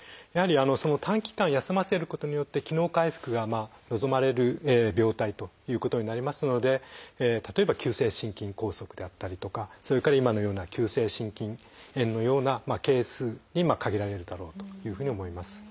やはり短期間休ませることによって機能回復が望まれる病態ということになりますので例えば急性心筋梗塞であったりとかそれから今のような急性心筋炎のようなケースに限られるだろうというふうに思います。